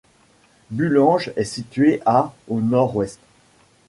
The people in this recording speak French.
Bullange est situé à au nord-ouest.